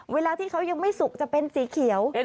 เวลาที่เขายังไม่สุกจะเป็นสีเขียว